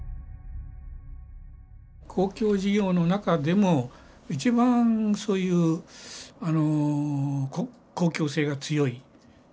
公共事業の中でも一番そういうあの公共性が強い。